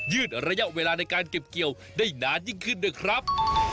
ระยะเวลาในการเก็บเกี่ยวได้นานยิ่งขึ้นด้วยครับ